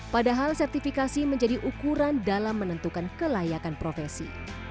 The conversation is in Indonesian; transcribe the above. padahal sertifikasi menjadi ukuran dalam menentukan kelayakan profesi